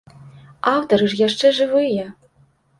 Аўтары ж яшчэ жывыя!